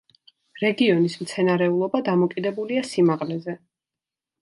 რეგიონის მცენარეულობა დამოკიდებულია სიმაღლეზე.